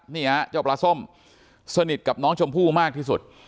นี่ฮะเจ้าปลาส้มสนิทกับน้องชมพู่มากที่สุด